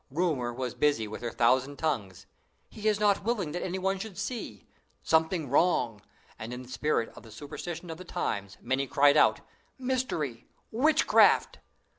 Rumor was busy with her thousand tongues. "He is not willing that any one should see!" "Something wrong!" and in the spirit of the superstition of the times, many cried out, "Mystery! Witchcraft!"